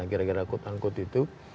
kira kira kota angkut itu